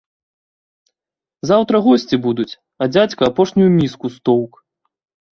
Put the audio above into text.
Заўтра госці будуць, а дзядзька апошнюю міску стоўк.